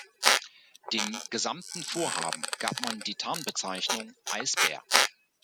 Dem gesamten Vorhaben gab man die Tarnbezeichnung "Eisbär".